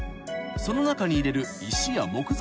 ［その中に入れる石や木材］